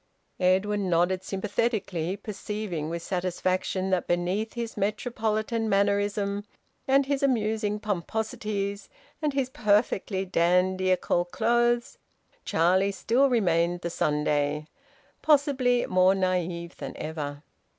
Edwin nodded sympathetically, perceiving with satisfaction that beneath his Metropolitan mannerism, and his amusing pomposities, and his perfectly dandiacal clothes, Charlie still remained the Sunday, possibly more naive than ever.